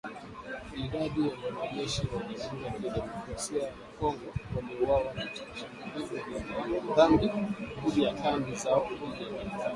Idadi ya wanajeshi wa Jamhuri ya Kidemokrasia ya Kongo waliouawa katika shambulizi dhidi ya kambi zao haijajulikana